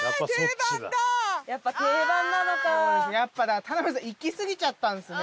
だから田辺さんいきすぎちゃったんですね